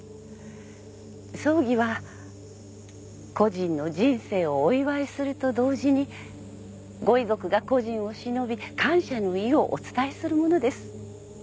葬儀は故人の人生をお祝いすると同時にご遺族が故人をしのび感謝の意をお伝えするものです。